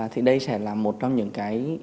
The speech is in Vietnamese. thì đây sẽ là một trong những cái